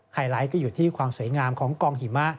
ไฮไลท์คืออยู่ความสวยงามของกองหิมะ